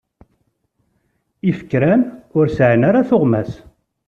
Ifekren ur sɛin ara tuɣmas.